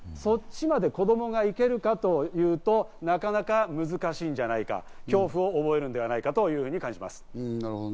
そっちまで子供が行けるかというと、なかなか難しいんじゃないか、恐怖を覚えるんではないかと感じます。